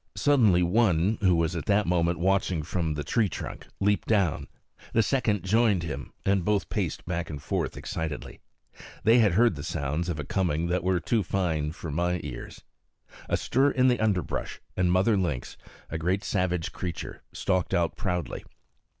Suddenly one, who was at that moment watching from the tree trunk, leaped down; the second joined him, and both paced back and forth excitedly. They had heard the sounds of a coming that were too fine for my ears. A stir in the underbrush, and Mother Lynx, a great savage creature, stalked out proudly.